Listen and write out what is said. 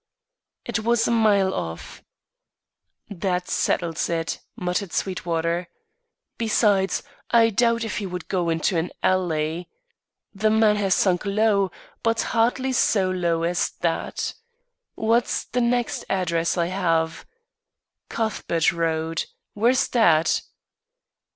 It was a mile off. "That settles it," muttered Sweetwater. "Besides, I doubt if he would go into an alley. The man has sunk low, but hardly so low as that. What's the next address I have? Cuthbert Road. Where's that?"